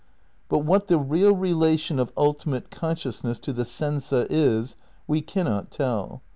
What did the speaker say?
But what the real relation of ultimate consciousness to the sensa is we cannot tell.